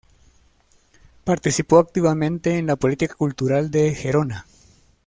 Participó activamente en la política cultural de Gerona.